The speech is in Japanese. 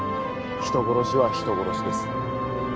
人殺しは人殺しです